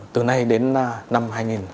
từ nay đến năm hai nghìn hai mươi năm